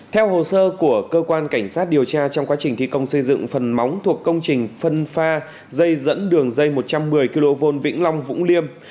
theo hồ sơ của cơ quan cảnh sát điều tra trong quá trình thi công xây dựng phần móng thuộc công trình phân pha dây dẫn đường dây một trăm một mươi kv vĩnh long vũng liêm